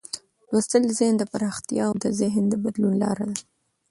لوستل د ذهن د پراختیا او د فکر د بدلون لار ده.